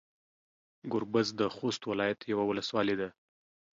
ګوربز د خوست ولايت يوه ولسوالي ده.